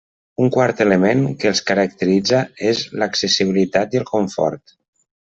Un quart element que els caracteritza és l'accessibilitat i el confort.